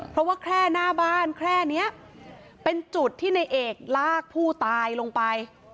เพราะว่าแค่หน้าบ้านแค่นี้เป็นจุดที่ในเอกลากผู้ตายลงไป